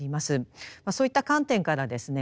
そういった観点からですね